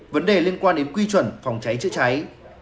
vấn đề liên quan đến quy chuẩn phòng cháy chữa cháy